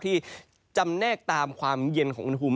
ที่จำเนกตามความเย็นของมุมเมฆ